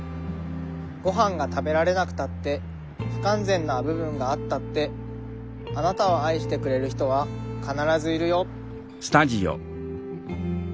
ご飯が食べられなくたって不完全な部分があったってあなたを愛してくれる人は必ずいるよ。